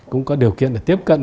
cũng có điều kiện để tiếp cận